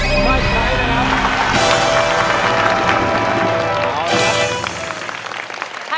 ไม่ใช้นะครับ